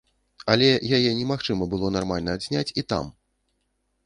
Але яе немагчыма было нармальна адзняць і там!